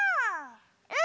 うん！